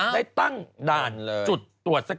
ได้ตั้งด่านจุดตรวจสักการ